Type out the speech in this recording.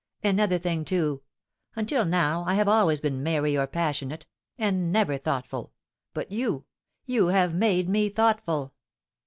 Another thing, too: until now I have always been merry or passionate, and never thoughtful, but you you have made me thoughtful.